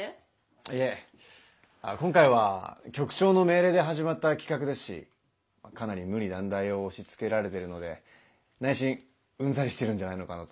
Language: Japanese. いえ今回は局長の命令で始まった企画ですしかなり無理難題を押しつけられてるので内心うんざりしてるんじゃないのかなと。